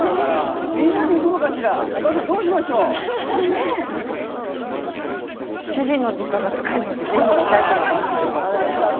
みんなで行くのかしらお母さん、どうしましょう？主人の実家が近いので、ぜひ行きたいと思います。